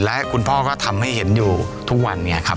และคุณพ่อก็ทำให้เห็นอยู่ทุกวันนี้ครับ